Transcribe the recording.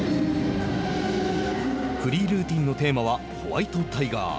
フリールーティンのテーマはホワイトタイガー。